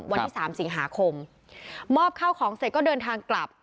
วันที่สามสิงหาคมมอบข้าวของเสร็จก็เดินทางกลับ